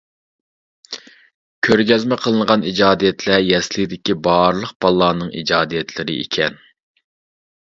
كۆرگەزمە قىلىنغان ئىجادىيەتلەر يەسلىدىكى بارلىق بالىلارنىڭ ئىجادىيەتلىرى ئىكەن.